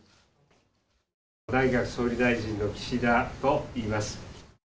内閣総理大臣の岸田といいます。